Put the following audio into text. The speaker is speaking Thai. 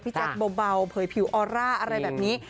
แจ๊คเบาเผยผิวออร่าอะไรแบบนี้